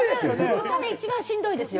２日目、一番しんどいですよ？